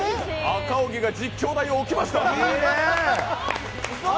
赤荻が実況台を置きました！